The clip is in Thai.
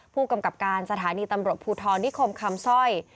ผู้กำกับการสถานีตำรวจภูทรนิคมคำสร้อย